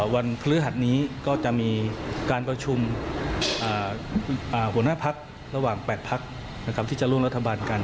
วันพฤหัสนี้ก็จะมีการประชุมหัวหน้าพักระหว่าง๘พักที่จะร่วมรัฐบาลกัน